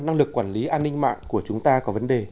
năng lực quản lý an ninh mạng của chúng ta có vấn đề